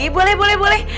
boleh boleh boleh